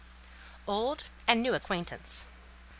OLD AND NEW ACQUAINTANCE.